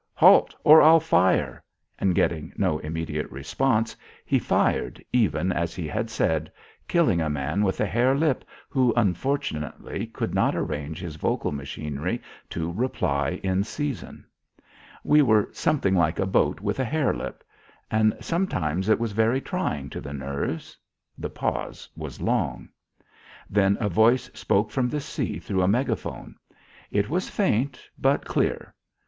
Halt or I'll fire!" And getting no immediate response he fired even as he had said, killing a man with a hair lip who unfortunately could not arrange his vocal machinery to reply in season. We were something like a boat with a hair lip. And sometimes it was very trying to the nerves.... The pause was long. Then a voice spoke from the sea through a megaphone. It was faint but clear.